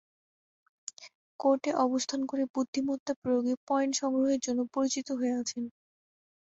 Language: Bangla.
কোর্টে অবস্থান করে বুদ্ধিমত্তা প্রয়োগে পয়েন্ট সংগ্রহের জন্য পরিচিত হয়ে আছেন।